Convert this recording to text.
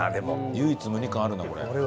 唯一無二感あるなこれ。